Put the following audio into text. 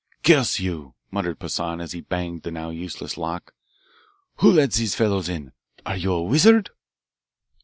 "Curse you!" muttered Poissan as he banged the now useless lock, "who let those fellows in? Are you a wizard?"